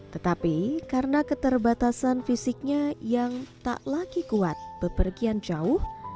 tetapi karena keterbatasan fisiknya yang tak lagi kuat bepergian jauh